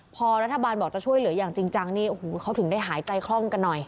พอรัฐบาลบอกจะช่วยเหลืออย่างจริงจังนี่โอ้โหเขาถึงได้หายใจคล่องกันหน่อย